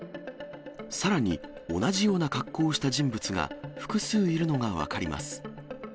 さらに、同じような格好をした人物が複数いるのが分かります。